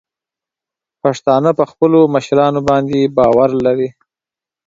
پښتانه په خپلو مشرانو باندې باور لري.